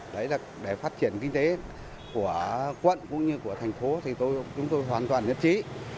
đấy là để phát triển kinh tế của quận cũng như của thành phố thì chúng tôi hoàn toàn nhất trí